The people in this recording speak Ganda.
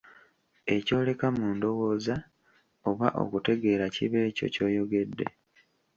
Eky'oleka mu ndowooza oba okutegeera kiba ekyo ky'oyogedde.